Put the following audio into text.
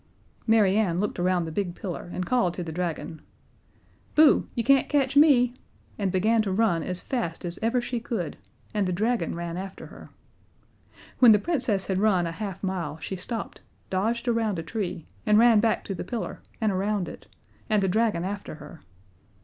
Mary Ann looked around the big pillar and called to the dragon: "Bo! you can't catch me," and began to run as fast as ever she could, and the dragon ran after her. When the Princess had run a half mile she stopped, dodged around a tree, and ran back to the pillar and around it, and the dragon after her.